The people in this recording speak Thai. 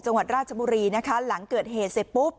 จังหวัดราชบุรีนะคะหลังเกิดเหตุเสร็จปุ๊บ